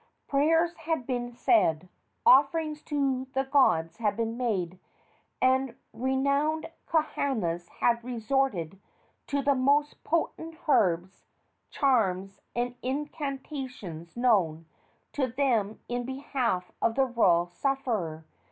Prayers had been said, offerings to the gods had been made, and renowned kahunas had resorted to the most potent herbs, charms and incantations known to them in behalf of the royal sufferer.